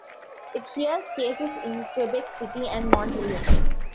It hears cases in Quebec City and Montreal.